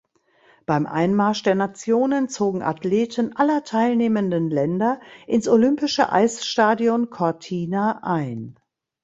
Beim Einmarsch der Nationen zogen Athleten aller teilnehmenden Länder ins Olympische Eisstadion Cortina ein.